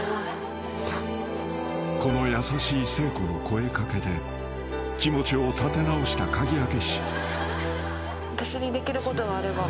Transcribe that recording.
［この優しい誠子の声掛けで気持ちを立て直した鍵開け師］